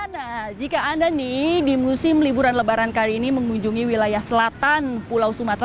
nah jika anda nih di musim liburan lebaran kali ini mengunjungi wilayah selatan pulau sumatera